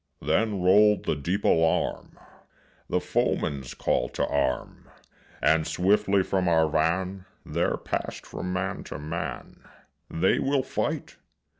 Then rolled the deep alarm The foeman's call to arm; And swiftly from our van There pass'd from man to man, "They will fight."